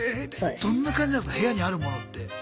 どんな感じなんすか部屋にあるものって。